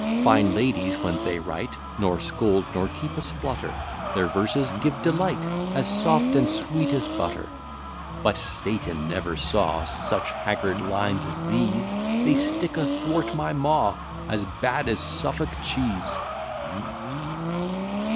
Fine ladies, when they write, Nor scold, nor keep a splutter: Their verses give delight, As soft and sweet as butter. But Satan never saw Such haggard lines as these: They stick athwart my maw, As bad as Suffolk cheese.